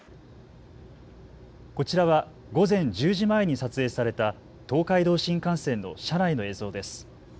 こちらは午前１０時前に撮影された東海道新幹線の車内の映像です。